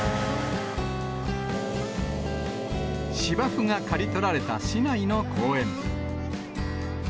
芝生が刈り取られた市内の公園。